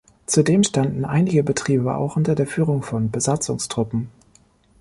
Zudem standen einige Betriebe auch unter der Führung von Besatzungstruppen.